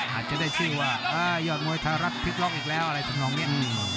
อาจจะได้ชื่อว่ายอดมวยทรัศน์พลิกล็อกอีกแล้วอะไรจังหล่องเนี้ย